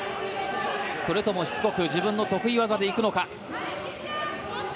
それともしつこく自分の得意技で行くのか。